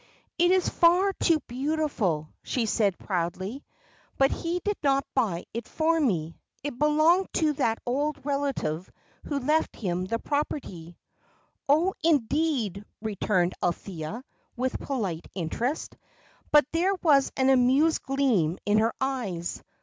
"It is far too beautiful," she said, proudly; "but he did not buy it for me it belonged to that old relative who left him the property." "Oh, indeed," returned Althea, with polite interest; but there was an amused gleam in her eyes.